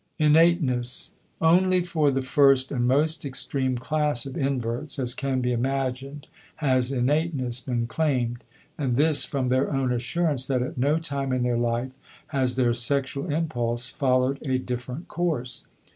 *Innateness.* Only for the first and most extreme class of inverts, as can be imagined, has innateness been claimed, and this from their own assurance that at no time in their life has their sexual impulse followed a different course.